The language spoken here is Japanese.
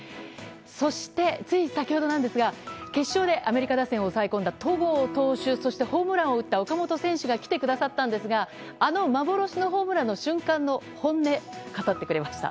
そして、つい先ほど決勝でアメリカ打線を抑え込んだ戸郷投手そしてホームランを打った岡本選手が来てくださったんですがあの幻のホームランの瞬間の本音語ってくれました。